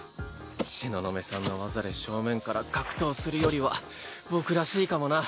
東雲さんの技で正面から格闘するよりは僕らしいかもな。